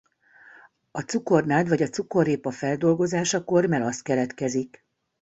A cukornád vagy a cukorrépa feldolgozásakor melasz keletkezik.